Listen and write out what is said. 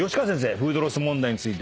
フードロス問題について。